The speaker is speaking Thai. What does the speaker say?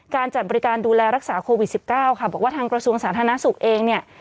การจัดบริการดูแลรักษาโควิด๑๙ค่ะบอกว่าทางกระทรวงสาธารณสุขเองเนี่ย